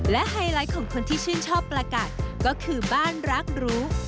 และไฮไลท์ของคนที่ชื่นชอบประกัดก็คือบ้านรักรู้